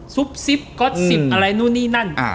ซุปซิปก็อดซิปอะไรนู่นนี่นั่น